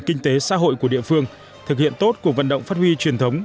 kinh tế xã hội của địa phương thực hiện tốt cuộc vận động phát huy truyền thống